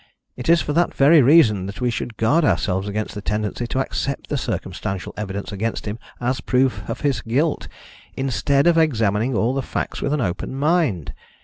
It is for that very reason that we should guard ourselves against the tendency to accept the circumstantial evidence against him as proof of his guilt, instead of examining all the facts with an open mind.